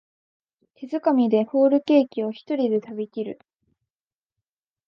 手づかみでホールケーキをひとりで食べきる